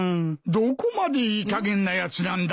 どこまでいいかげんなやつなんだ。